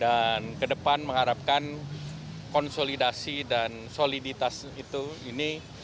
dan kedepan mengharapkan konsolidasi dan soliditas itu ini